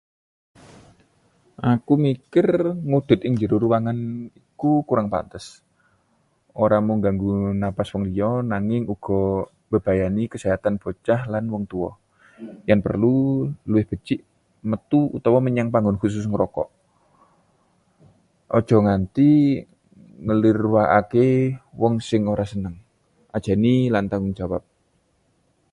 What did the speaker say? Aku mikir ngudud ing njero ruangan iku kurang pantes. Ora mung ngganggu napas wong liya, nanging uga mbebayani kesehatan bocah lan wong tuwa. Yen perlu, luwih becik metu utawa menyang panggon khusus ngrokok. Aja nganti nglirwakake wong sing ora seneng; ajeni lan tanggung jawab.